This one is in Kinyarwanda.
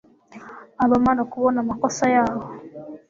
Abamara kubona amakosa yabo